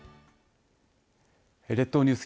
列島ニュース